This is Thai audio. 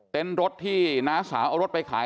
รถที่น้าสาวเอารถไปขาย